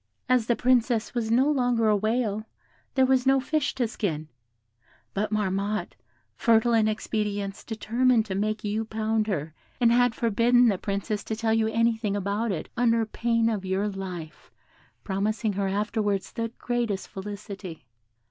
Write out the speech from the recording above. "As the Princess was no longer a whale, there was no fish to skin; but Marmotte, fertile in expedients, determined to make you pound her, and had forbidden the Princess to tell you anything about it, under pain of your life, promising her afterwards the greatest felicity.